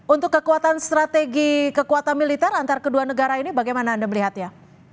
untuk kekuatan strategi kekuatan militer antar kedua negara ini bagaimana anda melihatnya